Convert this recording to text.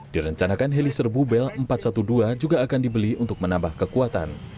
direncanakan heli serbu bel empat ratus dua belas juga akan dibeli untuk menambah kekuatan